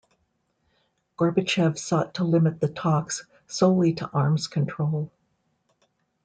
Gorbachev sought to limit the talks solely to arms control.